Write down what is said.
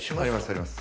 あります。